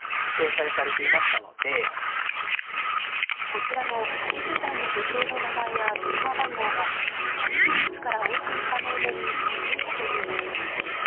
こちらの８０代の女性の名前や電話番号が詐欺グループから押収した名簿に載っていたというのです。